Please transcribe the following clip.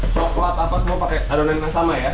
coklat apa semua pakai adonan yang sama ya